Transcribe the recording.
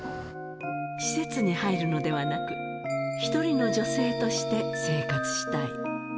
施設に入るのではなく、一人の女性として生活したい。